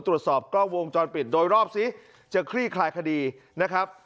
ตรวจสอบกล้องวงจรปิดโดยรอบซิจะคลี่คลายคดีนะครับ